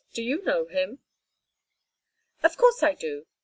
Do you know him?" "Of course I do.